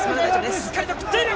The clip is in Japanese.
しっかりと組んでいる。